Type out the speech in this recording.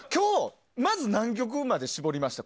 まず何曲まで絞りましたか？